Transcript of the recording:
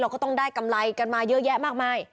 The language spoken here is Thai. ก็ต้องได้กำไรกันมาเยอะแยะมากมาย